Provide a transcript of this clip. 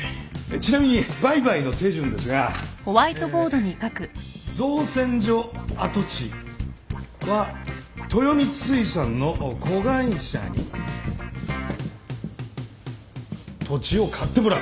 ちなみに売買の手順ですがえ造船所跡地は豊光水産の子会社に土地を買ってもらう。